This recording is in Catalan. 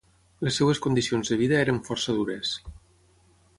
Les seves condicions de vida eren força dures.